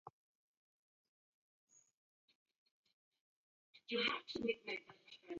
Gheko makongo ghamu ghiereshawagha ni rwai.